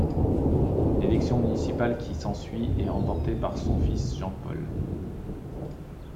L'élection municipale qui s'ensuit est remportée par son fils Jean-Paul.